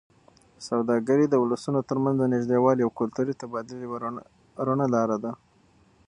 سوداګري د ولسونو ترمنځ د نږدېوالي او کلتوري تبادلې یوه رڼه لاره ده.